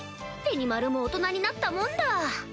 ベニマルも大人になったもんだ！